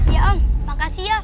ya om makasih ya